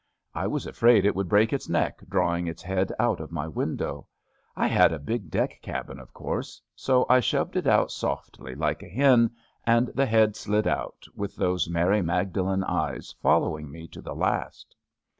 I was afraid it would break its neck drawing its head out of my window — ^I had a big deck cabin, of course — so I shoved it out softly like a hen, and the head slid out, with those Mary Magdalene eyes following me to the last.